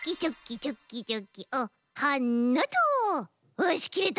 よしきれた。